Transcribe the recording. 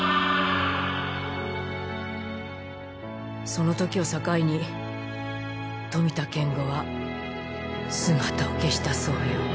その時を境に富田健吾は姿を消したそうよ。